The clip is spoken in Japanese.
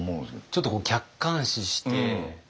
ちょっと客観視して。